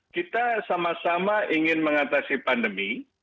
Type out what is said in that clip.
kita sama sama ingin mengatasi pandemi